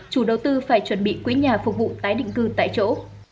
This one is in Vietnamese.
chủ đầu tư phải chuẩn bị quỹ nhà phục vụ tái định cư tại chỗ